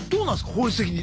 法律的に。